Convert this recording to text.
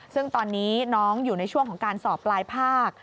ซึ่งตอนนี้น้องอยู่ในช่วงของการสอบปลายภาค